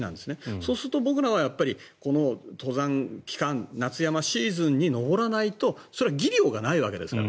そうすると僕らはこの登山期間夏山シーズンに登らないとそれは技量がないわけですから。